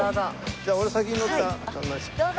じゃあ俺先に乗っちゃう。